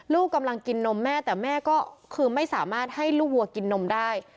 ลูกกำลังกินนมแม่แต่แม่ก็คือไม่สามารถให้ลูกวัวกินนมได้